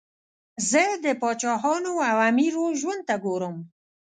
زه د پاچاهانو او امیرو ژوند ته ګورم.